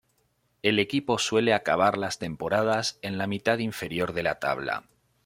El equipo suele acabar las temporadas en la mitad inferior de la tabla.